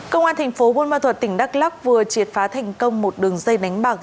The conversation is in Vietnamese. công an thành phố buôn ma thuật tỉnh đắk lắc vừa triệt phá thành công một đường dây đánh bạc